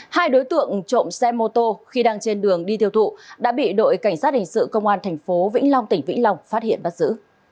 hai đối tượng trộm xe mô tô khi đang trên đường đi tiêu thụ đã bị đội cảnh sát hình sự công an tp vĩnh long tỉnh vĩnh long phát hiện bắt giữ